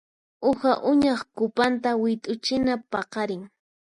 Uha uñaq cupanta wit'uchina paqarin.